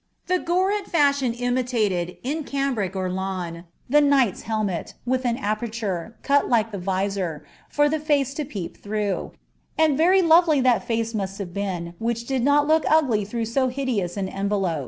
The gorget fashion imiiated, in cambric or lawn, the kni^bt'l helmet, with an aperture, cut like the vizor, for the &ce to peeoihraogh; and very lovely that face must have been which did uol look opf through so hideous an envelop.